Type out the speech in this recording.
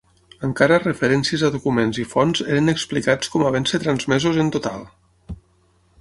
Encara referències a documents i fonts eren explicats com havent-se transmesos en total.